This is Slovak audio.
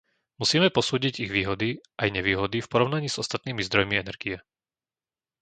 Musíme posúdiť ich výhody aj nevýhody v porovnaní s ostatnými zdrojmi energie.